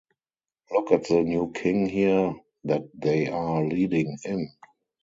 Look at the new king here that they are leading in.